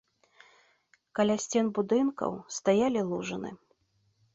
Каля сцен будынкаў стаялі лужыны.